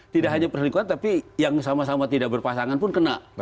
tidak hanya perselingkuhan tapi yang sama sama tidak berpasangan pun kena